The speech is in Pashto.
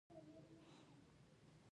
ځغاسته د بریا سره تړلې ده